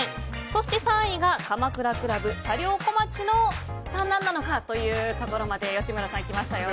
そして３位が鎌倉倶楽部茶寮小町の何なのかというところまで吉村さん、きましたよ。